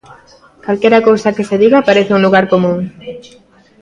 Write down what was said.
Calquera cousa que se diga parece un lugar común.